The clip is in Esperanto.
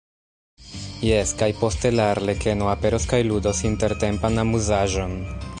Jes, kaj poste la arlekeno aperos kaj ludos intertempan amuzaĵon.